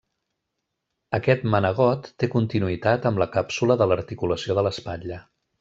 Aquest manegot té continuïtat amb la càpsula de l'articulació de l'espatlla.